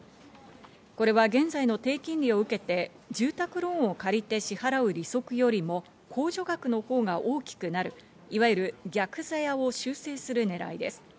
これは現在の低金利を受けて住宅ローンを借りて支払う利息よりも控除額の方が大きくなる、いわゆる逆ざやを修正する狙いです。